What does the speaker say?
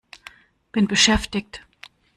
Bin beschäftigt!